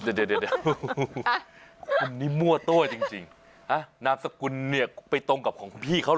เดี๋ยวคุณนี่มั่วโต้จริงนำสกุลเนี่ยไปตรงกับของพี่เขาหรอ